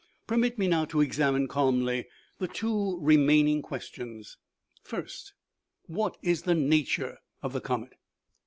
u Permit me now to examine, calmly, the two re maining questions. " First, what is the nature of the comet